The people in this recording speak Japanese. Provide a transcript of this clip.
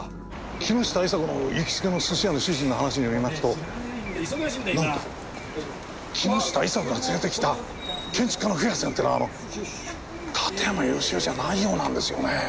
木下伊沙子の行きつけの寿司屋の主人の話によりますとなんと木下伊沙子が連れてきた建築家のフィアンセというのは館山義男じゃないようなんですよね。